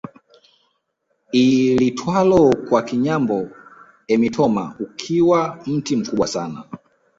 Iitwayo kwa Kinyambo emitoma ukiwa mti mkubwa sana